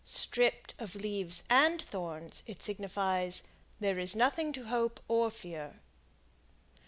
Stripped of leaves and thorns, it signifies, "There is nothing to hope or fear."